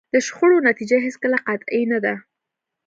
د شخړو نتیجه هېڅکله قطعي نه ده.